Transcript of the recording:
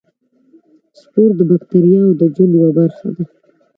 سپور د باکتریاوو د ژوند یوه برخه ده.